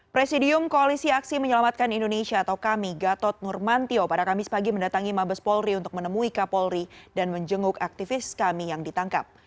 presidium koalisi aksi menyelamatkan indonesia atau kami gatot nurmantio pada kamis pagi mendatangi mabes polri untuk menemui kapolri dan menjenguk aktivis kami yang ditangkap